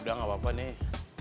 udah gak apa apa nih